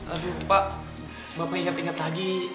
aduh pak bapak inget inget lagi